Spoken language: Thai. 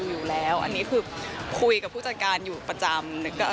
อยู่แล้วอันนี้คือคุยกับผู้จัดการอยู่ประจำ